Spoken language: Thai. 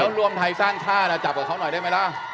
แล้วรวมไทยสร้างชาติจับกับเขาหน่อยได้ไหมล่ะ